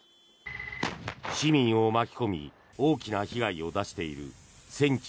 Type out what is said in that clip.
市民を巻き込み大きな被害を出している戦地